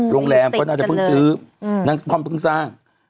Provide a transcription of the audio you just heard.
โรงแรมก็น่าจะเพิ่งซื้อนั่นความต้องสร้าง